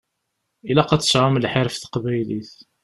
Ilaq ad tesɛum lḥir ɣef teqbaylit.